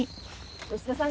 吉田さん